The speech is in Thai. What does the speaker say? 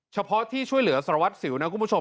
เฉพาะที่ช่วยเหลือสารวัตรสิวนะคุณผู้ชม